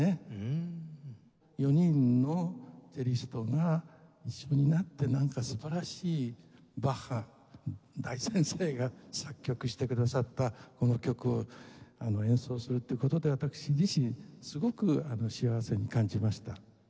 ４人のチェリストが一緒になってなんか素晴らしいバッハ大先生が作曲してくださったこの曲を演奏するっていう事で私自身すごく幸せに感じました。